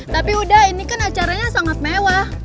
tapi udah ini kan acaranya sangat mewah